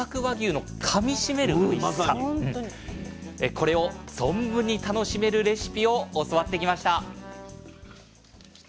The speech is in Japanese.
これを存分に楽しめるレシピを教わってきました。